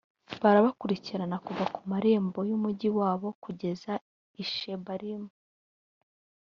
barabakurikirana kuva ku marembo y’umugi wabo kugera i shebarimu